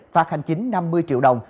phát hành chính năm mươi triệu đồng